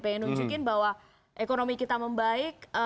pengen nunjukin bahwa ekonomi kita membaik